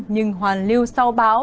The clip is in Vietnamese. nhưng hoàn lưu sau bão